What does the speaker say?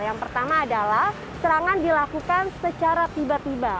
yang pertama adalah serangan dilakukan secara tiba tiba